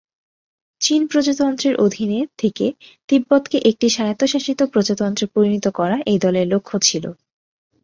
চীন প্রজাতন্ত্রের অধীনে থেকে তিব্বতকে একটি স্বায়ত্তশাসিত প্রজাতন্ত্রে পরিণত করা এই দলের লক্ষ্য ছিল।